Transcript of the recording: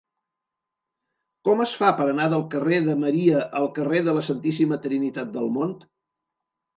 Com es fa per anar del carrer de Maria al carrer de la Santíssima Trinitat del Mont?